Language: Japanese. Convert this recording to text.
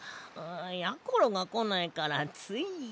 やころがこないからつい。